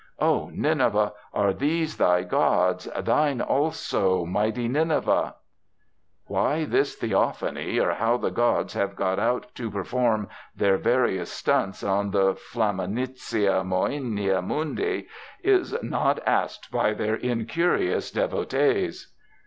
"O Nineveh, are these thy gods, Thine also, mighty Nineveh?" Why this theophany, or how the gods have got out to perform their various 'stunts' on the flammantia moenia mundi, is not asked by their incurious devotees.